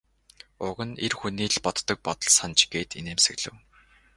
Уг нь эр хүний л боддог бодол санж гээд инээмсэглэв.